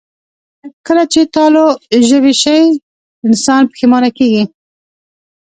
کله چې تالو ژبې شي، انسان پښېمانه کېږي